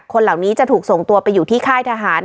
คนเหล่านี้จะถูกส่งตัวไปอยู่ที่ค่ายทหาร